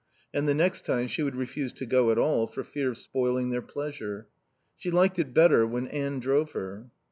And the next time she would refuse to go at all for fear of spoiling their pleasure. She liked it better when Anne drove her.